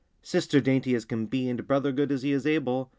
Sister dainty as can be, And Brother good as he is able.